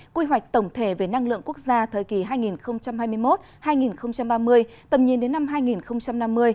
quy hoạch tổng thể về năng lượng quốc gia thời kỳ hai nghìn hai mươi một hai nghìn ba mươi tầm nhìn đến năm hai nghìn năm mươi